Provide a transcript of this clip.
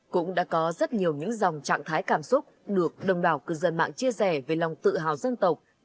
cũng đã có rất nhiều những dòng trạng thái cảm xúc được đồng đảo cư dân mạng chia sẻ về lòng tự hào dân tộc